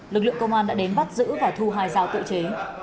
lực lượng công an đã đến bắt giữ và thu hai dao tự chế